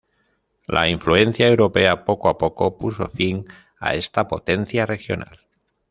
La influencia europea poco a poco puso fin a esta potencia regional.